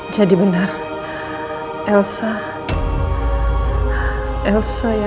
masih ada yang mau berbicara